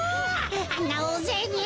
あんなおおぜいに！